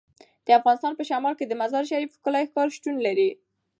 د افغانستان په شمال کې د مزارشریف ښکلی ښار شتون لري.